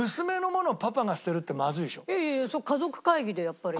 いやいや家族会議でやっぱりね。